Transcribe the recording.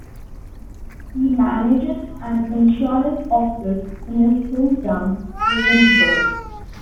He manages an insurance office in his hometown, Ravensburg.